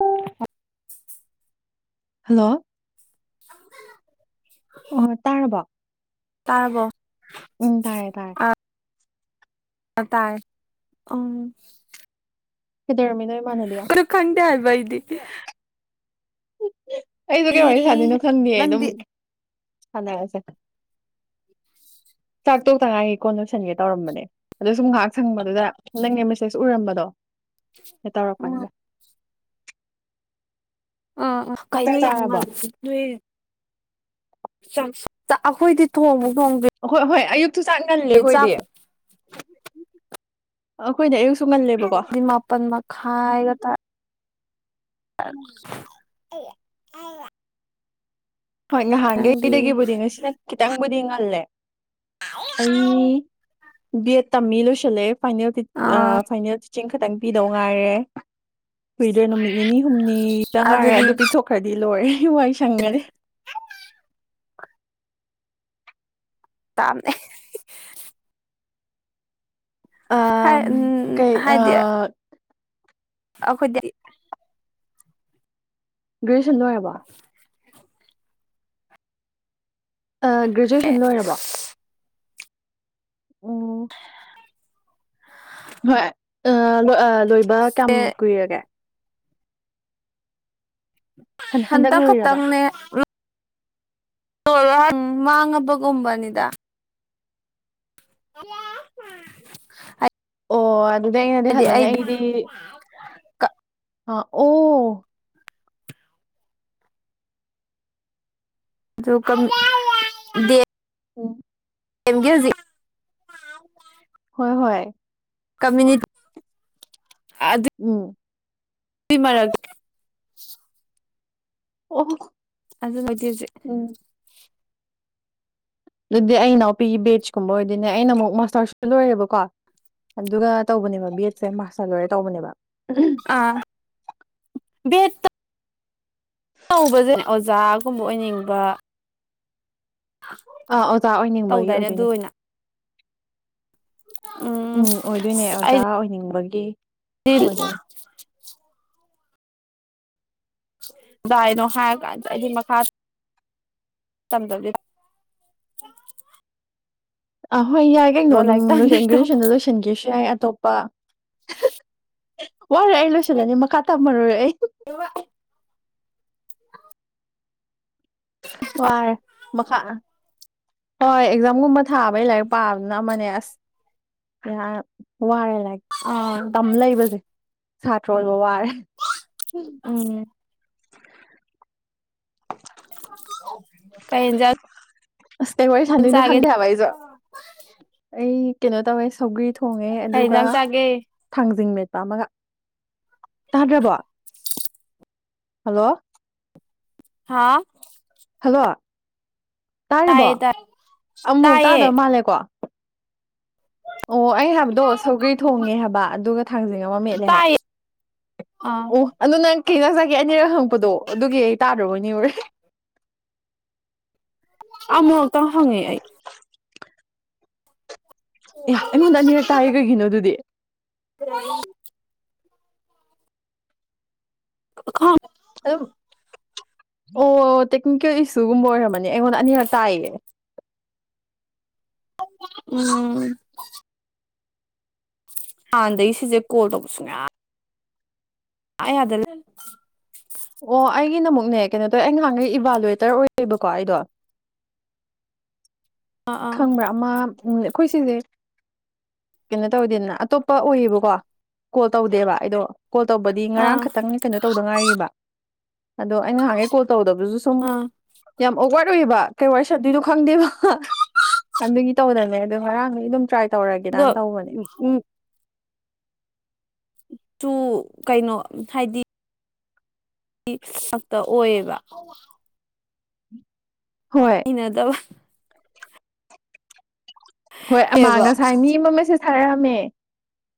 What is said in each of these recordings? ꯑ ꯍꯜꯂꯣ ꯑꯣ ꯇꯥꯔꯕꯣ ꯇꯥꯔꯕꯣ ꯎꯝ ꯇꯥꯔꯦ ꯇꯥꯔꯦ ꯑ ꯇꯥꯏ ꯎꯝ ꯀꯩꯗꯧꯔꯝꯃꯤꯅꯣ ꯏꯃꯥꯟꯅꯕꯤ ꯑꯣ ꯈꯟ ꯍꯥꯏꯕ ꯏꯗꯤ ꯑꯩꯁꯨ ꯀꯩ ꯋꯥꯔꯤ ꯁꯥꯟꯗꯣꯏꯅꯣ ꯈꯪꯗꯌꯦ ꯑꯗꯨꯝ ꯅꯪꯗꯤ ꯁꯅꯔꯁꯦ ꯎꯝ ꯆꯥꯛ ꯇꯣꯛ ꯇꯉꯥꯏꯒꯤ ꯀꯣꯟ ꯂꯣꯏꯁꯟꯒꯦ ꯇꯧꯔꯝꯕꯅꯦ ꯑꯗꯨꯗ ꯁꯨꯝ ꯉꯥꯏꯍꯥꯛ ꯁꯪꯕꯗꯨꯗ ꯅꯪꯅꯦ ꯃꯦꯁꯦꯁ ꯎꯔꯝꯕꯗꯣ ꯍ ꯎꯝ ꯇꯧꯔꯛꯄꯅꯤꯗ ꯎꯝ ꯎ ꯆꯥꯛ ꯀꯩꯅꯣ ꯌꯥꯝ ꯆꯥꯔꯕꯣ ꯅꯨꯡꯉꯥꯏꯖꯦ ꯅꯣꯏ ꯑꯩꯈꯣꯏꯗꯤ ꯊꯣꯡꯉꯨ ꯑꯍꯣꯏ ꯑꯍꯣꯏ ꯑꯌꯨꯛꯇꯨ ꯆꯥꯛ ꯉꯂꯦ ꯑꯩꯈꯣꯏꯗꯤ ꯆꯥꯛꯄꯨꯗꯤ ꯑꯩꯈꯣꯏꯅ ꯑꯌꯨ ꯑꯗꯨꯗꯤ ꯃꯥꯄꯟ ꯃꯈ ꯈꯥꯏꯑꯒ ꯇ ꯑ [unintelligible] ꯍꯣꯏ ꯉꯍꯥꯟꯒꯩꯗꯒꯤꯕꯨꯗꯤ ꯉꯁꯤꯅ ꯈꯤꯇꯪꯕꯨꯗꯤ ꯉꯜꯂꯦ ꯑꯩ ꯕꯤ ꯑꯦꯠ ꯇꯝꯃ ꯂꯣꯏꯁꯜꯂꯦ ꯐꯥꯏꯅꯦꯜ ꯑꯥ ꯐꯥꯏꯅꯦꯜ ꯇꯤꯆꯤꯡ ꯈꯇꯪ ꯄꯤꯗꯧ ꯉꯥꯏꯔꯦ ꯍꯨꯏꯗ꯭ꯔꯦ ꯅꯨꯃꯤꯠ ꯅꯤꯅꯤ ꯍꯨꯝꯅꯤꯗ ꯉꯥꯏꯔꯦ ꯑꯗꯨꯗꯤ ꯑꯗꯨ ꯄꯤꯊꯣꯛꯈ꯭ꯔꯗꯤ ꯂꯣꯏꯔꯦ ꯋꯥꯏ ꯁꯪꯉꯅꯤ ꯇꯝꯅꯦ ꯍꯥꯏ ꯎꯝ ꯑꯝ ꯀꯩ ꯍꯥꯏꯗ ꯑ ꯑꯩꯈꯣꯏꯗꯤ ꯒ꯭ꯔꯦꯖꯨꯑꯌꯦꯁꯟ ꯂꯣꯏꯔꯕ ꯒ꯭ꯔꯦꯖꯨꯋꯦꯁꯟ ꯑꯦ ꯂꯣꯏꯔꯕ ꯎꯝ ꯍꯣꯏ ꯂꯣꯏꯕ ꯀꯌꯥꯝ ꯀꯨꯏꯔꯒꯦ ꯍꯟ ꯍꯟꯗꯛ ꯍꯟꯊ ꯂꯣꯏꯔꯕ ꯈꯇꯪꯅꯦ ꯃꯥꯡꯉꯕꯒꯨꯝꯕꯅꯤꯗ [inaudible] ꯑꯣ ꯑꯗꯨꯗꯤ ꯑꯩꯅꯗꯤ ꯍꯜꯂꯅꯤ ꯑꯩꯗꯤ ꯑ ꯑꯣ ꯀ ꯗꯦ ꯑꯣ ꯁꯦꯝꯒꯦ ꯍꯧꯖꯤ ꯍꯣꯏ ꯍꯣꯏ ꯀꯃꯨꯅꯤꯇꯤ ꯎꯝ ꯃꯔꯒ ꯑꯣ ꯑꯗ ꯃꯗꯤꯁꯦ ꯎꯝ ꯑꯗꯨꯗꯤ ꯑꯩ ꯏꯅꯥꯎꯄꯤꯒꯤ ꯕꯦꯠꯆꯀꯨꯝꯕ ꯑꯣꯏꯗꯣꯏꯅꯦ ꯑꯩꯅ ꯑꯃꯨꯛ ꯃꯥꯁꯇꯔꯁꯨ ꯂꯣꯏꯔꯦꯕꯀꯣ ꯑꯗꯨꯒ ꯇꯧꯕꯅꯦꯕ ꯕꯤ ꯑꯦꯠꯁꯦ ꯃꯥꯁꯇꯔ ꯂꯣꯏꯔꯦ ꯇꯧꯕꯅꯦꯕ ꯑꯥ ꯅꯧꯕꯁꯅꯦ ꯑꯣꯖꯥꯒꯨꯝꯕ ꯑꯣꯏꯅꯤꯡꯕ ꯑꯥ ꯑꯣꯖꯥ ꯑꯣꯏꯅꯤꯡꯕꯒꯤ ꯇꯧꯗꯥꯏꯅꯦ ꯑꯗꯨ ꯑꯣꯏꯗꯣꯏꯅꯦ ꯑꯣꯏꯅ ꯎꯝ ꯑꯣꯏꯗꯣꯏꯅꯦ ꯑꯣꯖꯥ ꯑꯣꯏꯅꯤꯡꯕꯒꯤ ꯎ ꯑꯣꯏꯗꯣꯏꯅꯦ ꯗꯥꯏꯅꯣ ꯍꯥꯏꯔ ꯀꯥꯟꯗ ꯑꯩꯗꯤ ꯃꯈꯥ ꯇꯗ ꯇꯦꯛ [inaudible] ꯑꯍꯣꯏ ꯌꯥꯏ ꯀꯩꯅꯣ ꯑꯗꯨꯝ ꯇꯝꯗꯣꯏꯗꯣ ꯒ꯭ꯔꯦꯖꯨꯋꯦꯁꯟꯗ ꯂꯣꯏꯁꯤꯟꯒꯦꯁꯨ ꯌꯥꯏ ꯑꯇꯣꯞꯄ ꯋꯥꯔꯦ ꯑꯩ ꯂꯣꯏꯁꯤꯜꯂꯅꯤ ꯃꯈꯥ ꯇꯥꯃꯨꯔꯦ ꯑꯩ ꯑꯗꯨꯒ ꯋꯥꯔ ꯃꯈꯥ ꯍꯣꯏ ꯑꯦꯛꯖꯥꯝꯒꯨꯝꯕ ꯊꯥꯕꯩ ꯂꯥꯏꯔꯤꯛ ꯄꯥꯕꯅ ꯑꯃꯅꯦ ꯑꯁ ꯌꯥ ꯋꯥꯔꯦꯅ ꯑꯣ ꯁꯥꯇ ꯑꯣꯏꯣ ꯑꯣꯏꯕꯕꯥꯔꯦ ꯎꯝ ꯀꯩ ꯌꯦꯟꯖꯥꯡ ꯑꯁ ꯀꯩ ꯋꯥꯔꯤ ꯁꯥꯟꯗꯣꯏꯅꯣ ꯆꯥꯒꯦ ꯈꯪꯗꯦ ꯍꯥꯏꯕ ꯑꯩꯁꯨꯣ ꯑꯩ ꯀꯩꯅꯣ ꯇꯧꯋꯦ ꯁꯧꯒ꯭ꯔꯤ ꯊꯣꯡꯉꯦ ꯀꯩ ꯑꯗꯨꯒ ꯌꯦꯟꯖꯥꯡ ꯆꯥꯒꯦ ꯊꯥꯡꯖꯤꯡꯃꯦꯠ ꯆꯥꯝꯃꯒ ꯆꯥꯗ꯭ꯔꯕꯣ ꯍꯜꯂꯣ ꯍꯥꯥ ꯍꯜꯂꯣ ꯇꯥꯔꯤꯕꯣ ꯇꯥꯏ ꯑꯃꯨꯛ ꯇꯥꯏꯌꯦ ꯇꯥꯗꯕ ꯃꯥꯜꯂꯦꯀꯣ ꯑꯣ ꯑꯩ ꯍꯥꯏꯕꯗꯣ ꯁꯧꯒ꯭ꯔꯤ ꯊꯣꯡꯉꯦ ꯍꯥꯏꯕ ꯑꯗꯨꯒ ꯊꯥꯡꯖꯤꯡ ꯑꯃ ꯃꯦꯠꯂꯦ ꯍꯥꯏꯕ ꯇꯥꯏꯌꯦ ꯑꯥ ꯑꯣ ꯑꯗꯨ ꯅꯪ ꯀ ꯅ ꯆꯒꯦ ꯑꯅꯤꯔꯛ ꯍꯪꯉꯛꯄꯗꯣ ꯑꯗꯨꯒꯤ ꯑꯩ ꯇꯥꯗ꯭ꯔꯕꯅꯤ ꯑꯣꯏꯔꯦ ꯑꯃꯨꯛꯨꯛꯇꯪ ꯍꯪꯉꯦ ꯑꯩ ꯑꯦ ꯑꯩꯉꯣꯟꯗ ꯑꯅꯤꯔꯛꯛꯇꯥꯏꯌꯦ ꯀꯩꯒꯤꯅꯣ ꯑꯗꯨꯗꯤ ꯀ ꯍ ꯑꯗꯨꯝ ꯑꯣ ꯇꯦꯛꯅꯤꯀꯦꯜ ꯏꯁꯨꯒꯨꯝꯕ ꯑꯣꯏꯔꯝꯃꯅꯤ ꯑꯩꯉꯣꯟꯗ ꯑꯅꯤꯔꯛ ꯇꯥꯏꯌꯦ ꯎꯝ ꯍꯥꯟꯗꯏ ꯁꯤꯁꯦ ꯀꯣꯜ ꯇꯧ ꯄꯨꯁꯨꯅ ꯌꯥꯗꯂ ꯑꯣ ꯑꯩꯒꯤ ꯅ ꯑꯃꯛꯅꯦ ꯀꯩꯅꯣ ꯇꯧꯋꯦ ꯑꯩ ꯉꯍꯥꯟꯈꯩ ꯏꯚꯥꯂꯨꯋꯦꯇꯔ ꯑꯣꯏꯌꯦꯦꯕꯀꯣ ꯑꯩꯗꯣ ꯀꯦꯛ [inaudible] ꯈꯪꯕ꯭ꯔꯥ ꯑꯃ ꯎ ꯑꯩꯈꯣꯏ ꯁꯤꯁꯦ ꯀꯩꯅꯣ ꯇꯧꯗꯦꯗꯅ ꯑꯇꯣꯞꯄ ꯑꯣꯏꯌꯦꯕꯀꯣ ꯀꯣꯜ ꯇꯧꯗꯦꯕ ꯑꯩꯗꯣ ꯀꯣꯜ ꯇꯧꯕꯗꯤ ꯉꯔꯥꯡ ꯑꯥ ꯈꯛꯇꯪ ꯀꯩꯅꯣ ꯇꯧꯗ ꯉꯥꯏꯔꯤꯕ ꯑꯗꯣ ꯑ ꯅꯍꯥꯟꯉꯩ ꯀꯣꯜ ꯇꯧꯗꯕꯗꯨꯁꯨ ꯁꯨꯝ ꯑꯥ ꯌꯥꯝ ꯑꯣꯋꯥꯔ ꯑꯣꯏꯏꯕ ꯀꯩ ꯋꯥ ꯁꯠꯇꯣꯏꯗꯣ ꯈꯪꯗꯦꯕ ꯑꯗꯨꯒꯤ ꯇꯧꯗꯅꯦ ꯑꯗꯨ ꯉꯔꯥꯡꯗꯒꯤ ꯑꯗꯨꯝ ꯇ꯭ꯔꯥꯏ ꯑꯗꯨꯒ ꯇꯧꯔꯒꯦꯗꯥꯅ ꯇꯧꯕꯅꯦ꯫ ꯁꯨ ꯀꯩꯅꯣ ꯍꯥꯏꯗꯤ ꯉꯛꯇ ꯑꯣꯏꯌꯦꯕ ꯍꯣꯏ ꯏꯩꯅꯗꯕ ꯍꯣꯏ ꯑꯃ ꯉꯁꯥꯏ ꯃꯤ ꯑꯃꯁꯦ ꯁꯥꯔꯛꯑꯝꯃꯦ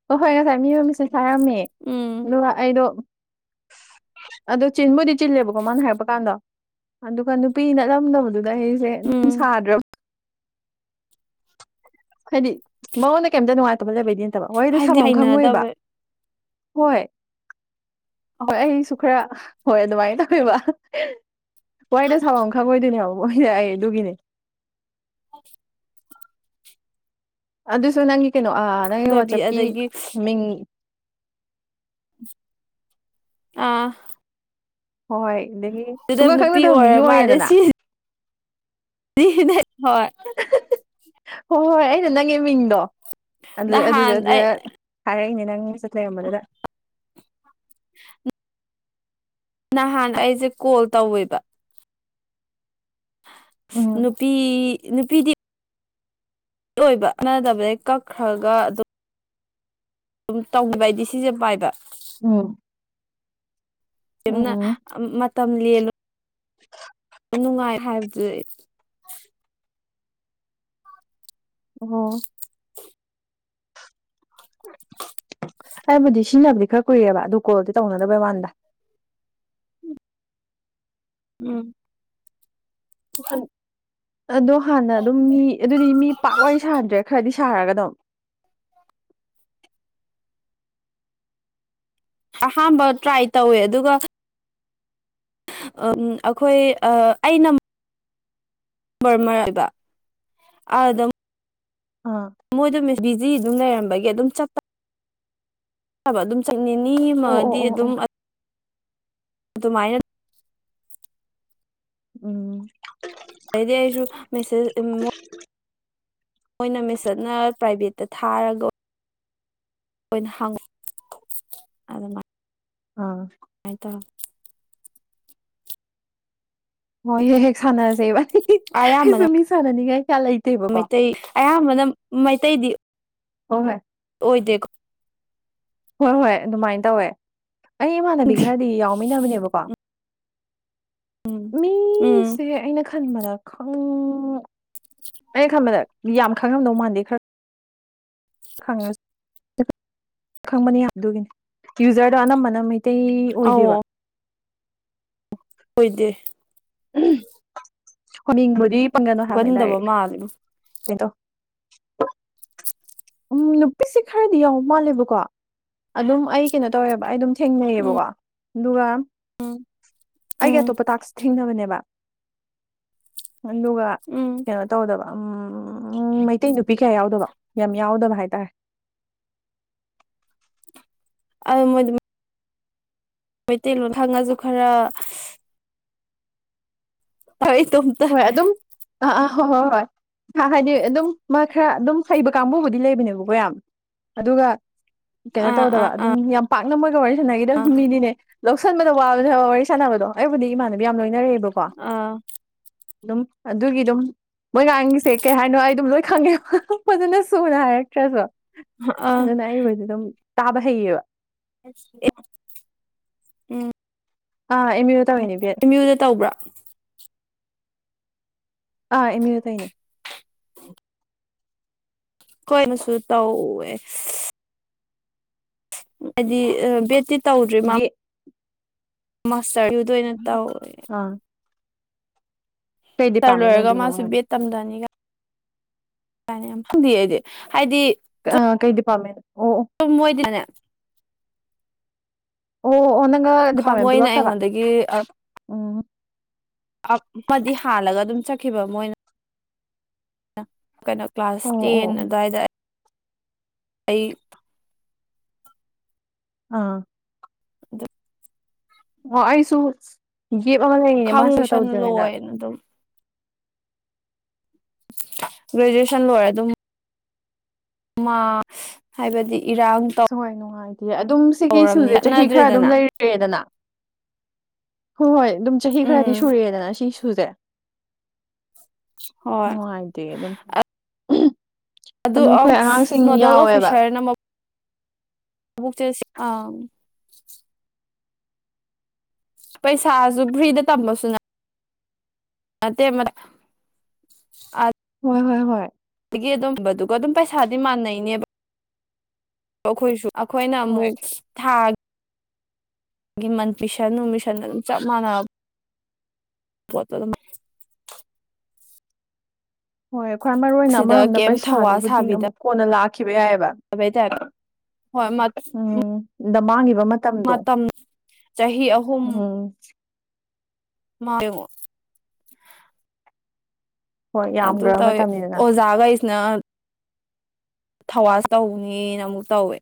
ꯑꯣ ꯍꯣꯏ ꯉꯁꯥꯏ ꯃꯤ ꯃꯃꯤꯁꯦ ꯍꯥꯏꯔꯝꯃꯦ ꯂ ꯑꯩꯗꯣ ꯀꯎꯁ [inaudible] ꯑꯗꯣ ꯆꯤꯟꯕꯨꯗꯤ ꯆꯤꯜꯂꯦꯕꯀꯣ ꯃꯥꯅ ꯍꯥꯏꯔꯛꯄ ꯀꯥꯟꯗꯣ ꯑꯗꯨꯒ ꯅꯨꯄꯤ ꯅꯠꯂꯝꯗꯕꯗꯨ ꯑꯗ ꯑꯩꯁꯦ ꯑꯗꯨꯝ ꯎꯝ ꯁꯥꯗ꯭ꯔꯕ ꯍꯥꯏꯗꯤ ꯃꯉꯣꯟꯗ ꯀꯩꯝꯇ ꯅꯨꯡꯉꯥꯏꯇꯕ ꯂꯩꯕꯩꯗꯤ ꯅꯇꯕ ꯋꯥꯣꯏꯗ ꯍꯥꯏꯗꯤ ꯁꯪꯐꯝꯝ ꯈꯪꯉꯨꯕ ꯍꯩꯅꯗꯕ ꯍꯣꯏ ꯍꯣꯏ ꯑꯩꯁꯨ ꯈꯔ ꯍꯣꯏ ꯑꯗꯨꯃꯥꯏꯅ ꯇꯧꯋꯦꯕ ꯋꯥꯏꯗ ꯊꯥꯎꯎꯪꯈꯪ ꯑꯣꯏꯗꯗꯤꯅꯤ ꯔ ꯑꯩ ꯑꯗꯨꯒꯤꯅꯦ ꯑꯗꯨꯁꯨ ꯅꯪꯒꯤ ꯀꯩꯅꯣ ꯅꯪꯒꯤ ꯗꯕꯤ ꯋꯥꯆꯞꯀꯤ ꯑꯗꯒꯤ ꯃꯤꯡ ꯑꯥ ꯍꯣꯏ ꯑꯗꯨꯗꯒꯤ ꯑꯗꯨꯗ ꯁꯨꯡꯒꯪꯈꯛ ꯅꯨꯄꯤ ꯅꯗꯕ ꯃꯤꯁꯨ ꯑꯣꯏꯔ ꯃꯥꯜꯂꯦ ꯑꯣꯏꯔꯦꯗꯅ ꯍꯣꯏ ꯍꯣꯏ ꯍꯣꯏ ꯑꯩꯅ ꯅꯪꯒꯤ ꯃꯤꯡꯗꯣ ꯑꯗꯨ ꯑꯗꯨꯗ ꯅꯍꯥꯟ ꯑꯗꯨ ꯑꯩ ꯍꯥꯏꯔꯛꯏꯅꯦ ꯅꯪ ꯆꯠ ꯂꯩꯔꯝꯕꯗꯨꯗ ꯎ ꯅꯍꯥꯟ ꯑꯩꯁꯦ ꯀꯣꯜ ꯇꯧꯋꯦꯕ ꯎꯝ ꯅꯨꯄꯤ ꯅꯨꯄꯤꯗꯤ ꯑꯣꯏꯕ ꯀꯥꯟꯅꯗꯕꯩ ꯀꯛꯈ꯭ꯔꯒ ꯑꯗꯨ ꯑꯗꯨꯝ ꯇꯧꯕꯤꯕ ꯍꯥꯏꯗꯤ ꯁꯤꯁꯦ ꯄꯥꯏꯕ ꯎꯝ ꯌꯥꯝꯅ ꯎꯝ ꯃ ꯃꯇꯝ ꯂ [unintelligible] ꯅꯨꯡꯉꯥꯏ ꯍꯥꯏꯕꯗꯨ ꯑꯣ ꯑꯩꯕꯨꯗꯤ ꯁꯤꯖꯤꯟꯅꯕꯗꯤ ꯈꯔ ꯀꯨꯏꯔꯦꯕ ꯑꯗꯨ ꯀꯣꯜꯗꯤ ꯇꯧꯅꯗꯕꯩ ꯋꯥꯟꯗ ꯎꯝ ꯍ ꯑꯗꯣ ꯍꯥꯟꯅ ꯑꯗꯨꯝ ꯃꯤ ꯑꯗꯨꯗꯤ ꯃꯤ ꯄꯥꯛ ꯋꯥꯔꯤ ꯁꯥꯗ꯭ꯔꯦ ꯈꯔꯗꯤ ꯁꯥꯔꯒ ꯑꯗꯨꯝ [unintelligible] ꯑꯍꯥꯝꯕ ꯇ꯭ꯔꯥꯏ ꯇꯧꯋꯦ ꯑꯗꯨꯒ ꯑꯩꯈꯣꯏ ꯑꯩꯅ ꯃꯔ ꯑꯣꯏꯕ ꯑꯗꯨꯗ ꯑꯥ ꯃꯣꯏꯗ ꯕꯤꯖꯤ ꯑꯗꯨꯝ ꯂꯩꯔꯝꯕꯒꯤ ꯑꯗꯨꯝ ꯆꯠꯄ ꯆꯕ ꯑꯗꯨꯝ ꯆꯠ ꯅꯤ ꯑꯣ ꯑꯣ ꯑꯃꯗꯤꯗꯤ ꯑꯣ ꯑꯣ ꯑꯗꯨꯝ ꯑꯗꯨ ꯃꯥꯥꯏꯅ ꯎꯝ ꯑꯗꯨꯗꯤꯁꯨ ꯃꯦꯁꯦ ꯃꯣꯏꯅ ꯃꯤꯁꯠꯅ ꯄ꯭ꯔꯥꯏꯚꯦꯠꯇ ꯊꯥꯔꯒ ꯏꯅ ꯍꯪꯉ ꯑꯗꯨꯃꯥꯏꯅ ꯑꯥ ꯍꯥꯏ ꯇ ꯍꯣꯏ ꯍꯦꯛ ꯍꯦꯛ ꯁꯥꯟꯅꯖꯩꯕꯥꯅꯤ ꯑꯌꯥꯝꯕꯅ ꯑꯩꯁꯨ ꯃꯤ ꯁꯥꯟꯅꯅꯤꯡꯉꯥꯏ ꯀꯌꯥ ꯂꯩꯇꯦꯕꯀꯣ ꯃꯩꯇꯩ ꯑꯌꯥꯝꯕꯅ ꯃꯩꯇꯩꯗꯤ ꯍꯣꯏ ꯍꯣꯏ ꯑꯣꯏꯗꯦꯀꯣ ꯍꯣꯏ ꯍꯣꯏ ꯑꯗꯨꯃꯥꯏꯅ ꯇꯧꯋꯦ ꯑꯩ ꯏꯃꯥꯟꯅꯕꯤ ꯈꯔꯗꯤ ꯌꯥꯎꯃꯤꯟꯅꯕꯅꯦꯕꯀꯣ ꯎꯝ ꯎꯝ ꯃꯤꯁꯦ ꯑꯩꯅ ꯈꯟꯕꯗ ꯑꯩꯅ ꯈꯟꯕꯗ ꯌꯥꯝ ꯈꯪꯉꯝꯗꯧ ꯃꯥꯟꯗꯦ ꯈꯔ ꯈꯪꯉ ꯈꯪꯕꯅꯤ ꯑꯗꯨꯒꯤꯅꯤ ꯌꯨꯖꯔꯗꯣ ꯑꯅꯝꯕ ꯑꯅꯩ ꯇꯩ ꯑꯣꯏꯗꯦꯕ ꯑꯧ ꯑꯣꯏꯗꯦ ꯍꯅꯤꯡꯕꯨꯗꯤ ꯄꯪꯒꯅꯣ ꯍꯥꯏꯕꯃꯦꯅꯤ ꯀꯟꯗꯕ ꯗꯥꯏꯔꯦꯛ ꯃꯥꯜꯂꯦ ꯀꯩꯩꯅꯣ ꯎꯝ ꯅꯨꯄꯤꯁꯦ ꯈꯔꯗꯤ ꯌꯥꯎ ꯃꯥꯜꯂꯦꯕꯀꯣ ꯑꯗꯨꯝ ꯑꯩ ꯀꯩꯅꯣ ꯇꯧꯋꯦꯕ ꯑꯩ ꯑꯗꯨꯝ ꯎꯝ ꯊꯦꯡꯅꯩꯌꯦꯕꯀꯣ ꯑꯗꯨꯒ ꯎꯝ ꯑꯩꯒꯤ ꯎꯝ ꯑꯇꯣꯞꯄ ꯇꯥꯛꯁ ꯊꯦꯡꯅꯕꯅꯦꯕ ꯑꯗꯨꯒ ꯎꯝ ꯀꯩꯅꯣ ꯇꯧꯗꯕ ꯎꯝ ꯃꯩꯇꯩ ꯅꯨꯄꯤ ꯀꯌꯥ ꯌꯥꯎꯗꯕ ꯌꯥꯝ ꯌꯥꯎꯗꯕ ꯍꯥꯏꯇꯥꯔꯦ ꯑ ꯃ ꯃꯩꯇꯩ ꯃꯈꯥꯡꯉꯁꯨ ꯈꯔ ꯇꯥꯏ ꯇꯣ ꯇ ꯑ ꯑꯥ ꯍꯣ ꯍꯣꯏ ꯍꯣꯏ ꯍꯥꯏꯗꯤ ꯑꯗꯨꯝ ꯈꯔ ꯑꯗꯨꯝ ꯍꯩꯕ ꯀꯥꯡꯕꯨꯕꯨꯗꯤ ꯂꯩꯕꯅꯦꯕꯀꯣ ꯌꯥꯝ ꯑꯗꯨꯒ ꯀꯩꯅꯣ ꯑꯥ ꯇꯧꯗꯕ ꯑꯥ ꯑꯗꯨꯝ ꯑꯥ ꯌꯥꯝ ꯄꯥꯛꯅ ꯃꯣꯏꯒ ꯋꯥꯔꯤ ꯁꯥꯟꯅꯈꯤꯗꯝ ꯑꯥ ꯃꯤꯅꯤꯅꯦ ꯂꯧꯁꯟꯕꯗ ꯋꯥꯕꯗ ꯋꯥꯔꯤ ꯁꯥꯟꯅꯕꯗꯣ ꯑꯩꯕꯨꯗꯤ ꯏꯃꯥꯟꯅꯕꯤ ꯌꯥꯝ ꯂꯣꯏꯅ ꯑꯥ ꯑꯗꯨꯝ ꯑꯗꯨꯒꯤ ꯑꯗꯨꯝ ꯃꯣꯏ ꯉꯥꯡꯒꯤꯁꯦ ꯀꯩ ꯍꯥꯏꯅꯣ ꯑꯩ ꯑꯗꯨꯝ ꯂꯣꯏ ꯈꯪꯉꯦ ꯐꯖꯅ ꯁꯨꯅ ꯍꯥꯏꯔꯛꯇ꯭ꯔꯁꯨ ꯑꯥ ꯑꯗꯨꯅ ꯑꯩꯕꫭꯏꯗꯤ ꯑꯗꯨꯝ ꯇꯥꯕ ꯍꯩꯌꯦꯕ ꯎꯝ ꯑꯥ ꯑꯦꯝ ꯌꯨꯗ ꯎ ꯇꯧꯔꯤꯅꯦ ꯕꯤ ꯑꯦꯗ ꯑꯦꯝ ꯌꯨꯗ ꯇꯧꯕ꯭ꯔꯥ ꯑꯥ ꯑꯃꯤ ꯇꯅꯦ ꯀꯣꯏꯅ ꯁꯨ ꯇꯧ ꯍꯥꯏꯕꯗꯤ ꯕꯦꯠꯇꯤ ꯇꯧꯗ꯭ꯔꯤ ꯃꯥ ꯕꯤ ꯃꯥꯁꯇꯔꯗꯨꯗ ꯑꯣꯏꯅ ꯇꯧꯋꯦ ꯑꯥ ꯀꯩ ꯁꯔ ꯗꯤꯄꯥꯔꯠꯃꯦꯟ ꯂꯣꯏꯔꯒ ꯑꯣꯏꯗꯣꯏꯅꯣ ꯃꯥꯁꯨ ꯕꯦꯠ ꯇꯝꯊꯅꯤꯒ ꯀ ꯌꯥꯝꯛꯇꯗꯤꯗꯦ ꯑ ꯀꯩꯗꯤ ꯄꯝꯃꯦ ꯃꯣꯏꯗꯤꯗꯅꯦ ꯑꯣ ꯑꯣ ꯅꯪꯒ ꯗꯤꯄꯥꯃꯦꯟ ꯄꯨ ꯃꯣꯏꯅ ꯂꯠꯇꯕ ꯑꯩꯉꯣꯟꯗꯒꯤ ꯎꯝ ꯑꯃꯗꯤ ꯍꯥꯜꯂꯒ ꯑꯗꯨꯝ ꯆꯠꯈꯤꯕ ꯃꯣꯏꯅ ꯀꯩꯅꯣ ꯀ꯭ꯂꯥꯁ ꯑꯣ ꯑꯣ ꯇꯦꯟ ꯑꯣ ꯑꯗꯨꯋꯥꯏꯗ ꯑꯩ ꯑꯥ ꯑꯗ ꯑꯣ ꯑꯩꯁꯨ ꯒꯦꯞ ꯑꯃ ꯂꯩꯔꯤꯅꯦ ꯃꯥꯁꯨ ꯈꯪꯁꯟ ꯇꯧꯗ꯭ꯔꯤꯅ ꯂꯣꯏꯅ ꯑꯗꯨꯝ ꯒ꯭ꯔꯦꯖꯨꯑꯦꯁꯟ ꯂꯣꯏꯔꯦ ꯑꯗꯨꯝ ꯃꯥ ꯍꯥꯏꯕꯗꯤ ꯏꯔꯥꯡ ꯁꯍꯣꯏ ꯅꯨꯡꯉꯥꯏꯇ ꯑꯗꯨꯝ ꯁꯤꯒꯤ ꯇꯧꯔꯝꯅꯤ ꯏꯁꯨꯁꯦ ꯆꯍꯤ ꯈꯔ ꯑꯗꯨꯝ ꯆꯠꯅꯗ꯭ꯔꯦꯗꯅ ꯂꯩꯔꯦꯗꯅ ꯍꯣꯏ ꯍꯣꯏ ꯑꯗꯨꯝ ꯆꯍꯤ ꯈꯔꯗꯤ ꯎꯝ ꯁꯨꯔꯦꯗꯅ ꯁꯤ ꯁꯨꯁꯦ ꯍꯣꯏ ꯅꯨꯡꯉꯥꯏꯇꯦ ꯑꯗꯨꯝ ꯑꯗꯨ ꯑꯗꯨꯝ ꯑꯞ ꯑꯩꯈꯣꯏ ꯑꯉꯥꯡꯁꯤꯡ ꯅꯣꯗꯦꯜ ꯌꯥꯎꯋꯦꯕ ꯑꯣꯐꯤꯁꯥꯔꯅ ꯊꯥꯔꯇꯤ ꯁꯤꯛꯁ ꯑꯥ ꯄꯩꯁꯥꯁꯨ ꯐ꯭ꯔꯤꯗ ꯇꯝꯕꯁꯨꯉꯥꯏ ꯃ ꯃ ꯍꯣꯏ ꯍꯣꯏ ꯍꯣꯏ ꯒꯤ ꯑꯗꯨꯝꯕꯗꯨꯒ ꯑꯗꯨꯝ ꯄꯩꯁꯥꯗꯤ ꯃꯥꯟꯅꯩꯅꯦꯕ ꯑꯩꯈꯣꯏꯁꯨ ꯑꯩꯈꯣꯏꯅ ꯍꯣꯏ ꯑꯃꯨꯛ ꯊ ꯑꯒꯤ ꯃꯟ ꯄꯤꯁꯟ ꯅꯨꯡ ꯃꯤꯁꯟ ꯑꯗꯨꯝ ꯆꯞ ꯃꯥꯟ ꯄꯠꯇꯗ ꯍꯣꯏ ꯈ꯭ꯋꯥꯏ ꯃꯔꯨ ꯑꯣꯏꯅ ꯁꯤꯗ ꯑꯃꯔꯣꯝꯗ ꯀꯩꯝ ꯊꯧꯋꯥ ꯄꯩꯁꯥꯗꯨꯕꯨꯗꯤ ꯑꯃꯨꯛ ꯁꯥꯕꯤꯗꯕꯩ ꯀꯣꯟꯅ ꯂꯥꯛꯈꯤꯕ ꯌꯥꯏꯑꯕ ꯇꯥꯏꯞꯇ ꯍꯣꯏ ꯃ ꯎꯝ ꯗ ꯃꯥꯡꯉꯤꯕ ꯃꯇꯝꯗꯣ ꯆꯍꯤ ꯎꯝ ꯃꯥ ꯍꯣꯏ ꯑꯗꯨ ꯌꯥꯝꯈ꯭ꯔꯕ ꯃꯇꯝꯅꯤꯗꯅ ꯑꯣꯖꯒ ꯏꯁꯅ ꯊꯋꯥꯁ ꯇꯧꯅꯤꯅ ꯑꯃꯨꯛ ꯇꯧꯋꯦ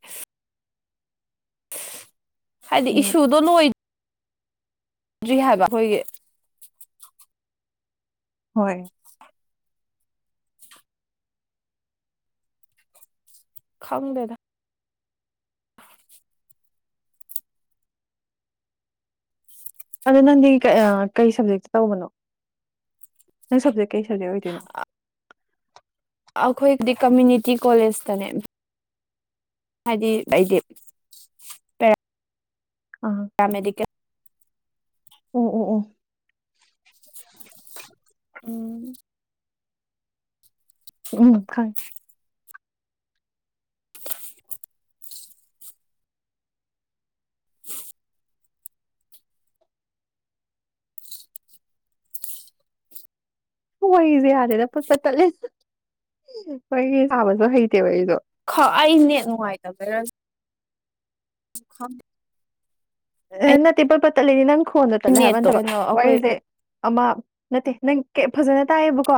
ꯍꯥꯏꯗꯤ ꯎꯝ ꯏꯁꯨꯗꯣ ꯂ ꯑꯣꯏ ꯔꯤ ꯍꯥꯏꯕ ꯍꯣꯏꯒꯦ ꯍꯣꯏ ꯈꯪꯗꯦꯗ ꯑꯗꯣ ꯅꯪꯗꯤ ꯀꯩ ꯁꯕꯖꯦꯛꯇ ꯇꯧꯕꯅꯣ ꯅꯪ ꯁꯕꯖꯦꯛ ꯀꯩ ꯁꯕꯖꯦꯛ ꯑꯣꯏꯗꯣꯏꯅꯣ ꯑꯩꯈꯣꯏꯒꯤꯗꯤ ꯀꯝꯃ꯭ꯌꯨꯅꯤꯇꯤ ꯀꯣꯂꯦꯖꯇꯅꯦ ꯍꯥꯏꯗꯤ ꯑꯩꯗꯤ ꯑꯃꯥ ꯑꯃꯦꯔꯤꯀꯥ ꯎꯝ ꯎꯝ ꯎꯝ ꯎꯝ ꯎꯝ ꯈꯪ ꯋꯥꯁꯦ ꯌꯥꯔꯦꯗꯠꯄ ꯇꯠꯂꯦ ꯋꯥꯔꯤ ꯁꯥꯕꯁꯨ ꯍꯩꯇꯦ ꯋꯥꯔꯤꯗꯣ ꯑꯩꯅꯦ ꯅꯨꯡꯉꯥꯏꯇꯕꯔ ꯝ ꯑꯦ ꯅꯠꯇꯦ ꯄꯜꯄ ꯇꯠꯂꯤꯅꯤ ꯅꯪ ꯈꯣꯟꯗ ꯇꯠꯂꯦ ꯅꯦꯠꯇꯣ ꯍꯥꯏꯕꯠꯇꯕ ꯀꯩꯅꯣ ꯑꯩꯈꯣꯏ ꯋꯥꯔꯤꯁꯦ ꯑꯃ ꯅꯠꯇꯦ ꯅꯪ ꯐꯖꯅ ꯇꯥꯏꯌꯦꯕꯀꯣ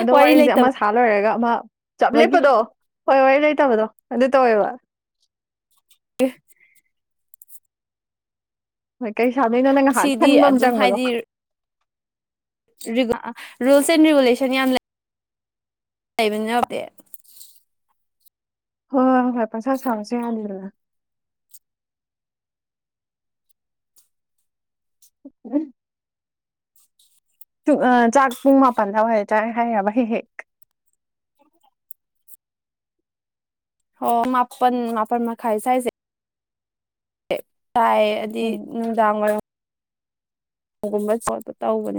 ꯑꯗꯣ ꯋꯥꯔꯤ ꯋꯥꯔꯤꯁꯦ ꯑꯃ ꯂꯩꯇꯕꯒꯤ ꯁꯥ ꯂꯣꯏꯔꯒ ꯑꯃ ꯆꯞ ꯂꯦꯞꯄꯗꯣ ꯍꯣꯏ ꯍꯣꯏ ꯂꯩꯇꯕꯗꯣ ꯑꯗꯨ ꯇꯧꯋꯦꯕ ꯍ ꯍꯣꯏ ꯀꯩ ꯁꯥꯗꯣꯏꯅꯣ ꯅꯪ ꯉꯥꯏꯍꯥꯛ ꯁꯤꯗꯤ ꯈꯟꯕ ꯑꯃ ꯆꯪꯕꯗꯣ ꯔꯤ ꯔꯨꯜꯁ ꯑꯦꯟ ꯔꯤꯒꯨꯂꯦꯁꯟ ꯌꯥꯝ ꯂꯩ ꯕꯅꯇꯦ ꯍꯣꯏ ꯍꯣꯏ ꯄ ꯁꯁ ꯁ ꯉꯁꯦ ꯑꯅꯤ ꯎ ꯎ ꯨꯡ ꯆꯥꯛ ꯄꯨꯡ ꯃꯥꯄꯜꯗꯋꯥꯇꯥꯦ ꯍꯥꯏꯔꯕ ꯍꯦꯛ ꯍꯦꯛ ꯍ ꯃꯥꯄꯟ ꯃꯥꯄꯟ ꯃ ꯈꯥꯏ ꯆꯁꯦ ꯆꯥꯏ ꯑꯗꯨꯗꯤ ꯎꯝ ꯅꯨꯡꯗꯥꯡ ꯋꯥꯏꯔꯝ ꯍꯨꯝꯕꯁꯣꯠ ꯄ ꯇ ꯍꯕꯅꯦ